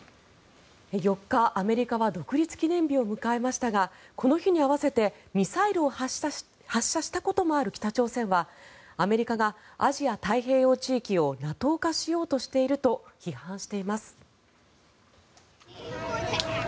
４日、アメリカは独立記念日を迎えましたがこの日に合わせてミサイルを発射したこともある北朝鮮はアメリカがアジア太平洋地域をＮＡＴＯ化しようとしていると批判しています。